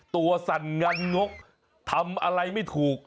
สั่นงันงกทำอะไรไม่ถูก